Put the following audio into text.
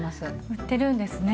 売ってるんですね。